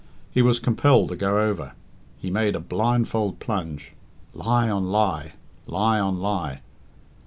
He was compelled to go over. He made a blindfold plunge. Lie on lie; lie on lie!